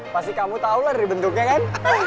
pasti kamu tahu lah dari bentuknya kan